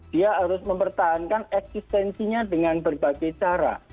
dia harus mempertahankan eksistensinya dengan berbagai cara